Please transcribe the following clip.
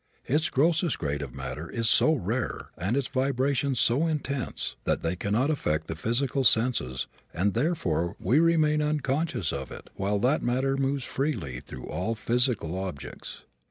Its grossest grade of matter is so rare, and its vibrations so intense, that they cannot affect the physical senses and therefore we remain unconscious of it while that matter moves freely through all physical objects.